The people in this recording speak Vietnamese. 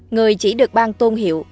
người chỉ được ban tôn hiệu